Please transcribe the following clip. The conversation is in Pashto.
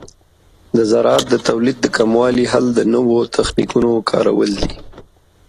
د زراعت د تولید د کموالي حل د نوو تخنیکونو کارول دي.